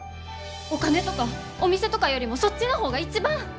お金とかお店とかよりもそっちの方が一番！